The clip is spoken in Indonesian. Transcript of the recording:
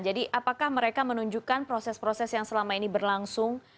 jadi apakah mereka menunjukkan proses proses yang selama ini berlangsung